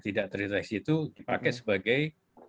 tidak terdeteksi itu dipakai sebagai